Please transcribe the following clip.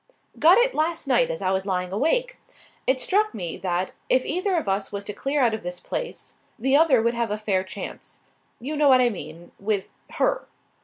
"Got it last night as I was lying awake. It struck me that, if either of us was to clear out of this place, the other would have a fair chance. You know what I mean with Her.